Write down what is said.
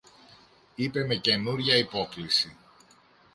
είπε με καινούρια υπόκλιση.